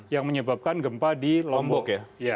yang menyebabkan gempa di lombok ya